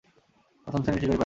প্রথম শ্রেনীর শিকারী প্রাণী?